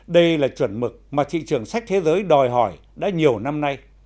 đây là chuẩn mực mà thị trường sách thế giới đòi hỏi đã nhiều năm nay